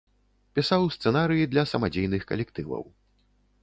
Пісаў сцэнарыі для самадзейных калектываў.